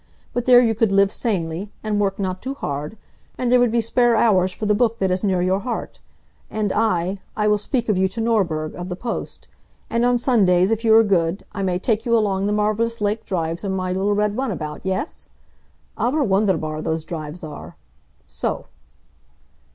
But there you could live sanely, and work not too hard, and there would be spare hours for the book that is near your heart. And I I will speak of you to Norberg, of the Post. And on Sundays, if you are good, I may take you along the marvelous lake drives in my little red runabout, yes? Aber wunderbar, those drives are! So."